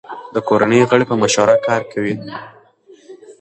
د کورنۍ غړي په مشوره کار کوي.